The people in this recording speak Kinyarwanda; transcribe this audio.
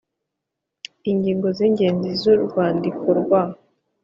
Ingingo z ingenzi z urwandiko rwa